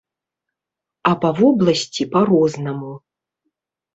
А па вобласці па-рознаму.